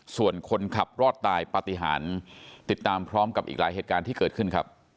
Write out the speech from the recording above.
ส่วนคนขับรอดตายปฏิหารติดตามพร้อมกับอีกหลายเหตุการณ์ที่เกิดขึ้นครับ